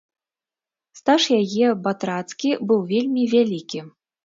Стаж яе батрацкі быў вельмі вялікі.